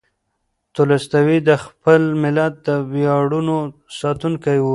تولستوی د خپل ملت د ویاړونو ساتونکی و.